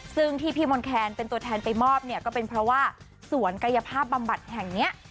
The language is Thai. ซึ่งที่พี่มนต์แคนเป็นตัวแทนไปมอบเนี่ยก็เป็นเพราะว่าสวนกายภาพบำบัดแห่งเนี้ย